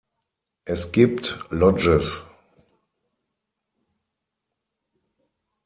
Es gibt Lodges.